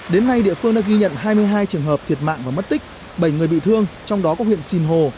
đến nay địa phương đã ghi nhận hai mươi hai trường hợp thiệt mạng và mất tích bảy người bị thương trong đó có huyện sinh hồ